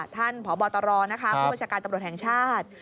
ท่านพระบอตรรองโฆษย์นะคะผู้บัชการตำรวจแห่งชาติ